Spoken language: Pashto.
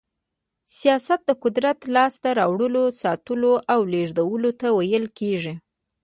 سياست د قدرت لاسته راوړلو، ساتلو او لېږدولو ته ويل کېږي.